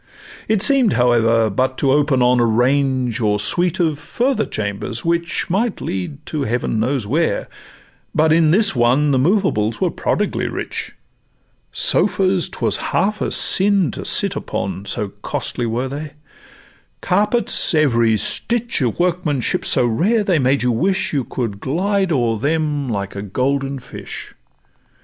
It seem'd, however, but to open on A range or suite of further chambers, which Might lead to heaven knows where; but in this one The movables were prodigally rich: Sofas 'twas half a sin to sit upon, So costly were they; carpets every stitch Of workmanship so rare, they made you wish You could glide o'er them like a golden fish.